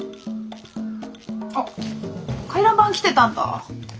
あっ回覧板来てたんだ。